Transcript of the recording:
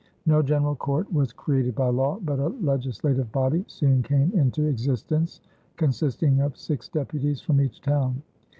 No general court was created by law, but a legislative body soon came into existence consisting of six deputies from each town.